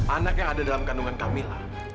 anak yang ada dalam kandungan camilla